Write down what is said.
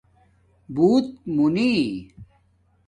بوت مُونی